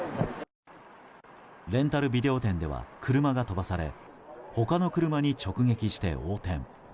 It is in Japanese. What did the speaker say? レンタルビデオ店では車が飛ばされ他の車に直撃して横転。